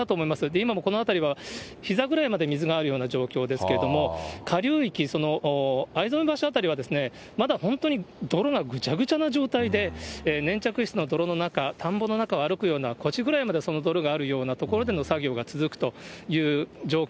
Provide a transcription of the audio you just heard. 今もこの辺りは、ひざぐらいまで水があるような状況ですけれども、下流域、逢初橋辺りは、まだ本当に泥がぐちゃぐちゃな状態で、粘着質の泥の中、田んぼの中を歩くような、腰ぐらいまで泥があるような所での作業が続くという状況。